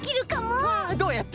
どうやって？